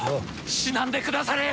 死なんでくだされや！